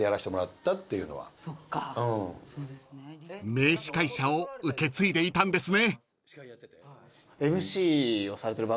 ［名司会者を受け継いでいたんですね］